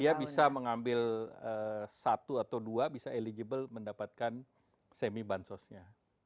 dia bisa mengambil satu atau dua bisa eligible mendapatkan semi bansosnya